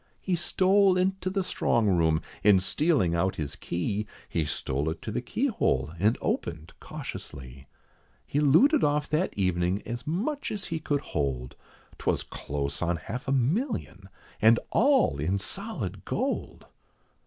He stole into the strong room, and stealing out his key, He stole it to the keyhole, and opened cautiously. He looted off that evening as much as he could hold, 'Twas close on half a million, and all in solid gold.